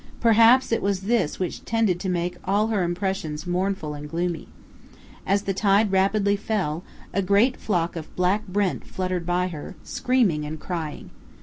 Perhaps it was this which tended to make all her impressions mournful and gloomy. As the tide rapidly fell, a great flock of black brent fluttered by her, screaming and crying.